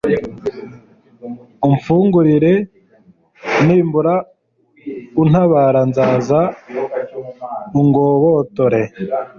umfungurire; nimbura untabara, nzaza ungobotore